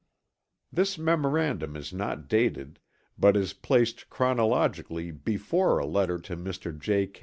This memorandum is not dated, but is placed chronologically before a letter to Mr. J.